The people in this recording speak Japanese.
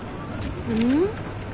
うん？